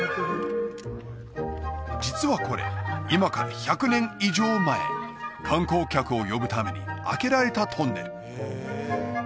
実はこれ今から１００年以上前観光客を呼ぶために開けられたトンネル